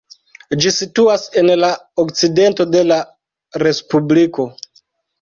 Ĝi situas en la okcidento de la respubliko.